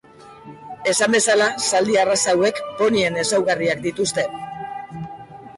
Esan bezala zaldi arraza hauek ponien ezaugarriak dituzte.